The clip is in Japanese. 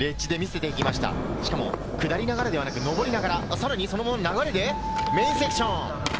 しかも下りながらではなく上りながら、さらに流れでメインセクション。